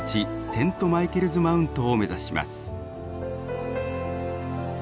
セント・マイケルズ・マウントを目指します。